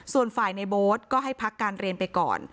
ส่วนฝ่ายในโบ๊ทก็ให้พักการเรียนไปก่อน